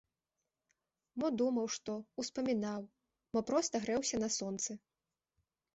Мо думаў што, успамінаў, мо проста грэўся на сонцы.